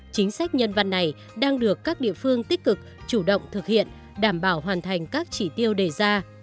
chính sách nhân văn này đang được các địa phương tích cực chủ động thực hiện đảm bảo hoàn thành các chỉ tiêu đề ra